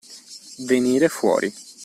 Venire fuori.